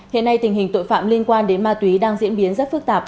hiện nay tình hình tội phạm liên quan đến ma túy đang diễn biến rất phức tạp